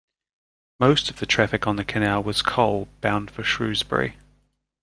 Most of the traffic on the canal was coal, bound for Shrewsbury.